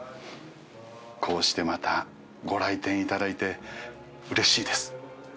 こうしてまたご来店いただいてうれしいです。